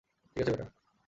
ঠিক আছে, বেটা।